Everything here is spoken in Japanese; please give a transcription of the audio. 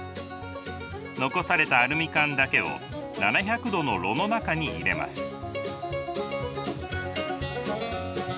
残されたアルミ缶だけを７００度の炉の中に入れます。